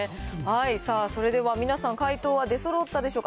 さあ、それでは皆さん、回答は出そろったでしょうか。